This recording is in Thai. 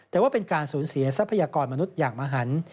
แต่ว่าเป็นการสูญเสียทรัพยากรมนุษย์อย่างมหัน